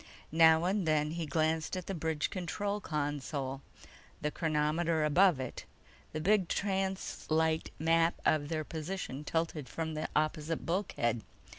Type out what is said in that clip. Now and then he glanced at the bridge control console, the chronometer above it, the big translite map of their position tilted from the opposite bulkhead.